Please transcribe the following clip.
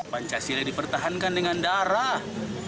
pancasila dipertahankan dengan darah